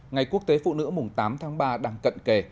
ngày quốc tế phụ nữ mùng tám tháng ba đang cận kề